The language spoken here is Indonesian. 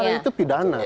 hal itu pidana